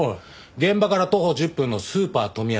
現場から徒歩１０分のスーパートミヤス